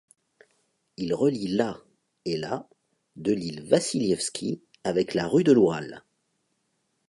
Il relie la et la de l'île Vassilievski avec la rue de l'Oural.